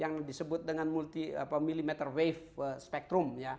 yang disebut dengan multi milimeter wave spektrum